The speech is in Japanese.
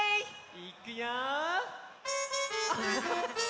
いくよ！